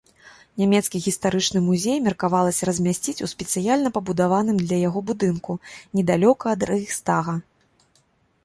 Нямецкі гістарычны музей меркавалася размясціць у спецыяльна пабудаваным для яго будынку недалёка ад рэйхстага.